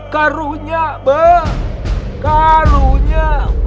karunya be karunya